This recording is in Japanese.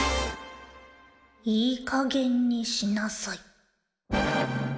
いいかげんにしなさい。